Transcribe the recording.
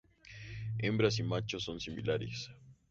Hembras y machos son similares.